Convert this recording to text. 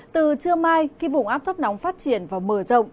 từ trưa mai khi vùng áp thấp nóng phát triển và mở rộng